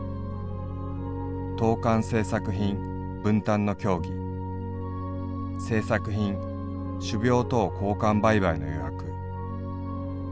冬間製作品分担の協議製作品種苗等交換売買の予約持寄